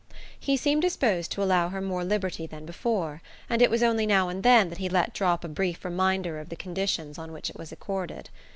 He seemed disposed to allow her more liberty than before, and it was only now and then that he let drop a brief reminder of the conditions on which it was accorded.